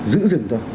giữ rừng thôi